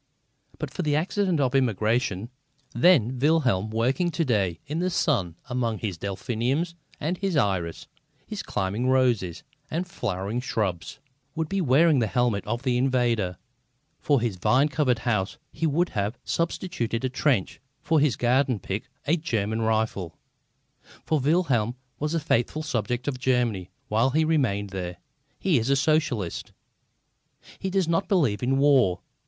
But for the accident of emigration, then, Wilhelm, working to day in the sun among his Delphiniums and his iris, his climbing roses and flowering shrubs, would be wearing the helmet of the invader; for his vine covered house he would have substituted a trench; for his garden pick a German rifle. For Wilhelm was a faithful subject of Germany while he remained there. He is a Socialist. He does not believe in war.